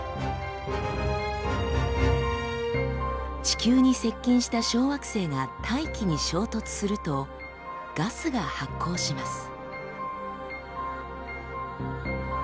地球に接近した小惑星が大気に衝突するとガスが発光します。